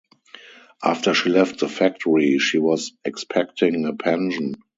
After she left the factory, she was expecting a pension.